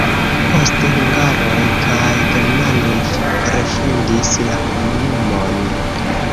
Poste hungaroj kaj germanoj refondis la komunumon.